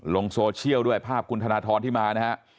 ลงโซเชียลด้วยภาพคุณธนทรที่มานะฮะ